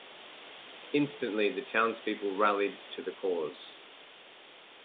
Instantly, the townspeople rallied to the cause.